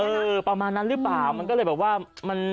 ประมาณนั้นหรือเปล่ามันก็เลยแบบว่ามัน